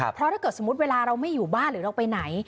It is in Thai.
เพราะถ้าเกิดสมมุติเวลาเราไม่อยู่บ้านหรือเราไปไหน